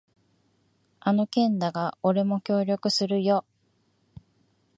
あの件だが、俺も協力するよ。